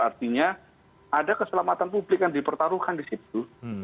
artinya ada keselamatan publik yang dipertaruhkan di situ